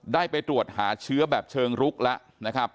ได้ไปตรวจหาเชื้อแบบเชิงรุกแล้วนะครับ